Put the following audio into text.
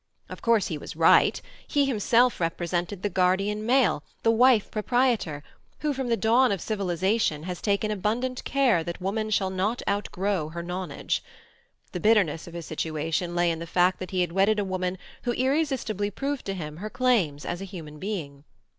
Of course he was right; he himself represented the guardian male, the wife proprietor, who from the dawn of civilization has taken abundant care that woman shall not outgrow her nonage. The bitterness of his situation lay in the fact that he had wedded a woman who irresistibly proved to him her claims as a human being.